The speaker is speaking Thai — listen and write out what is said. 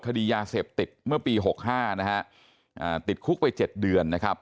คดียาเสพติดเมื่อปี๖๕นะฮะติดคุกไป๗เดือนนะครับ